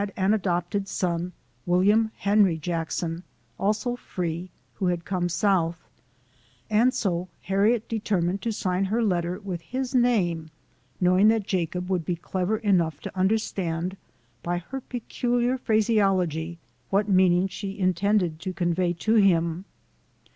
an adopted son, William Henry Jackson, also free, who had come South ; and so Harriet determined to sign her letter with his name, knowing that Jacob would be clever enough to understand, by her peculiar phraseology, what meaning she intended to convey to him.